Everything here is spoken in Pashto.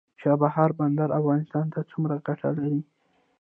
چابهار بندر افغانستان ته څومره ګټه لري؟